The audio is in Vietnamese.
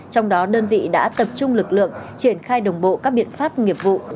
trong đó đơn vị đã tập trung lực lượng triển khai đồng bộ các biện pháp nghiệp vụ